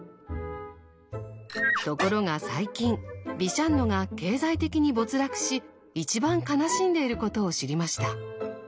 ところが最近ビシャンノが経済的に没落し一番悲しんでいることを知りました。